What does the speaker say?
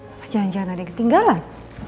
apa jangan jangan ada ketinggalan